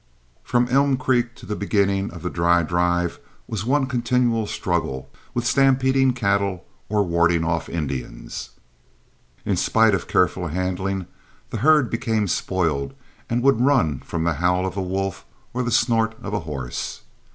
From Elm Creek to the beginning of the dry drive was one continual struggle with stampeding cattle or warding off Indians. In spite of careful handling, the herd became spoiled, and would run from the howl of a wolf or the snort of a horse.